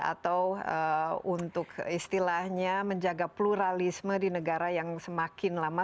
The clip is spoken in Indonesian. atau untuk istilahnya menjaga pluralisme di negara yang semakin lama